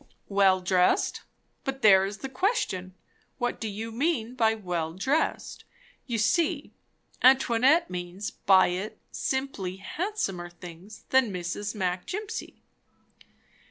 "Well dressed! but there is the question. What do you mean by 'well dressed'? You see, Antoinette means by it simply, handsomer things than Mrs. Mac Jimpsey."